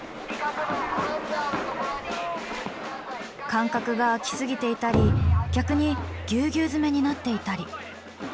間隔が空き過ぎていたり逆にぎゅうぎゅう詰めになっていたり。